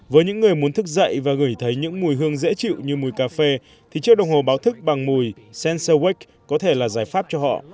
với những người muốn thức dậy và gửi thấy những mùi hương dễ chịu như mùi cà phê thì chiếc đồng hồ báo thức bằng mùi cens wack có thể là giải pháp cho họ